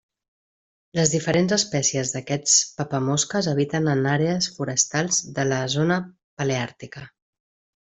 Les diferents espècies d'aquests papamosques habiten en àrees forestals de la zona paleàrtica.